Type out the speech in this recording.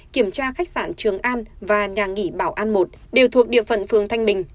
kiểm tra khách sạn trường an và nhà nghỉ bảo an một đều thuộc địa phận phường thanh bình